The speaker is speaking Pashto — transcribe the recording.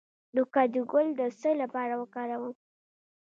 د کدو ګل د څه لپاره وکاروم؟